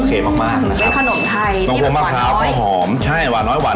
ก็ทำสิเค้าเอาอะไรนะครับ